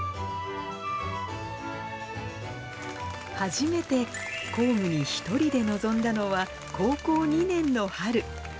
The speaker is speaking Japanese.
初めて公務に１人で臨んだのは、高校２年の春。